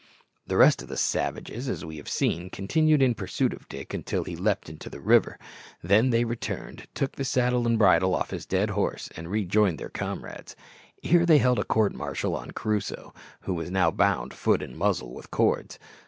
The rest of the savages, as we have seen, continued in pursuit of Dick until he leaped into the river; then they returned, took the saddle and bridle off his dead horse, and rejoined their comrades. Here they held a court martial on Crusoe, who was now bound foot and muzzle with cords.